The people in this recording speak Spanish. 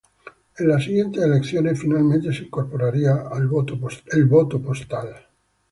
En las siguientes elecciones, finalmente se incorporaría el voto postal.